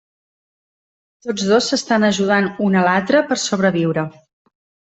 Tots dos s'estan ajudant un a l'altre per sobreviure.